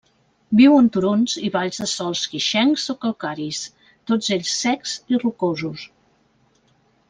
Viu en turons i valls de sòls guixencs o calcaris, tots ells secs i rocosos.